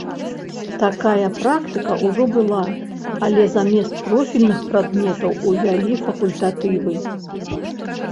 Такая практыка ўжо была, але замест профільных прадметаў увялі факультатывы.